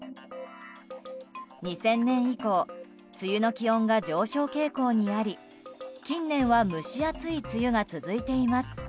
２０００年以降梅雨の気温が上昇傾向にあり近年は蒸し暑い梅雨が続いています。